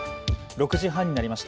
６時半になりました。